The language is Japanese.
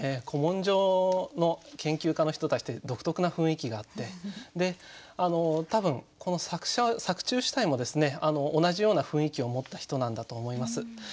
古文書の研究家の人たちって独特な雰囲気があってで多分この作中主体も同じような雰囲気を持った人なんだと思います。